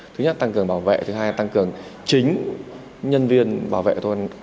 thứ nhất tăng cường bảo vệ thứ hai là tăng cường chính nhân viên bảo vệ thôi